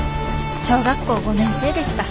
小学校５年生でした。